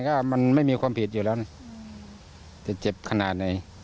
ก็มันไม่มีความผิดอยู่แล้วนะจะเจ็บขนาดไหน